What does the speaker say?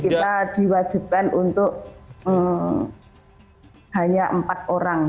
kita diwajibkan untuk hanya empat orang